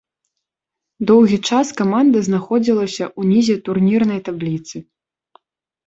Доўгі час каманда знаходзілася ўнізе турнірнай табліцы.